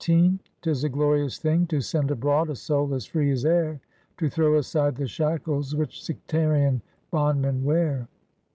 *' 'Tis a glorious thing to send abroad a soul as free as air, To throw aside the shackles which sectarian bondmen wear."